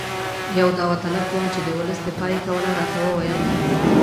یو داوطلب ځوان چې د ولس دفاع یې کوله راته وویل.